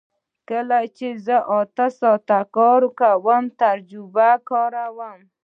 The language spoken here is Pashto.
کله چې زه اته ساعته کار کوم تجربه کاروم